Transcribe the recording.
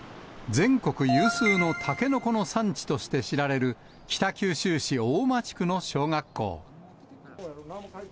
全国有数のたけのこの産地として知られる、北九州市合馬地区の小学校。